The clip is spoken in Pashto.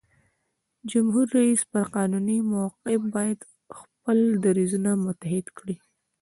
د جمهور رئیس پر قانوني موقف باید خپل دریځونه متحد کړي.